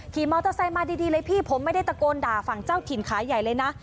ขี่มอเตอร์ไซค์มาดีเลยพี่ผมไม่ได้ตะโกนด่าฝั่งเจ้าถิ่นขาใหญ่เลยนะ